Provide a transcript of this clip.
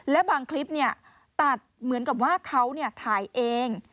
และบางคลิปตัดเหมือนกับว่าเขาถ่ายเอง